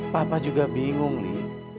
papa juga bingung li